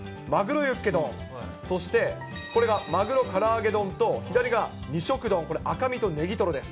まぐろゆっけどん、そして、これが鮪から揚げ丼と左が二色丼、これ、赤身とネギトロです。